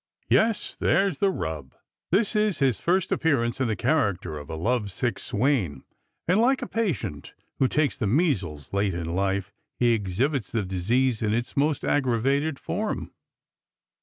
" Yes ; there's the rub. This is his first appearance in the character of a love sick swain ; and like a patient who takes the measles late in life, he exhibits the disease in its most aggravated form."